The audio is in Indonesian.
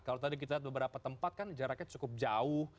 kalau tadi kita beberapa tempat kan jaraknya cukup jauh